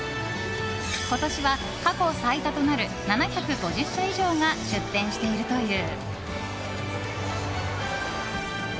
今年は過去最多となる７５０社以上が出展しているという。